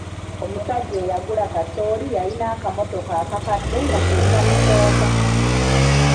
Omusajja eyagula kasooli yalina akamotoka akakadde nga ke kamusomba.